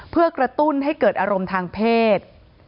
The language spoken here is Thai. เพื่อกระตุ้นให้เกิดอารมณ์ทางเพศ